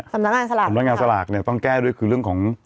สำนักงานสลากสำนักงานสลากเนี่ยต้องแก้ด้วยคือเรื่องของ